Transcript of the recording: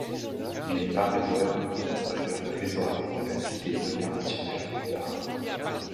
Il est par ailleurs administrateur et trésorier de la Cité internationale des arts.